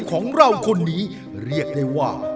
ของเราคนนี้เรียกได้ว่า